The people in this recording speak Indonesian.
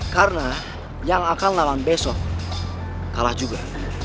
karena yang akan lelan besok kalah juga